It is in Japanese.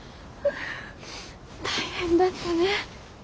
大変だったね。